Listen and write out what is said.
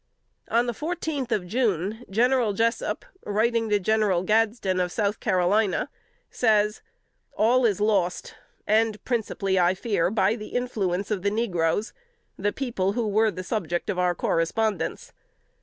On the fourteenth of June, General Jessup, writing General Gadsden of South Carolina, says: "All is lost, and principally, I fear, by the influence of the negroes the people who were the subject of our correspondence.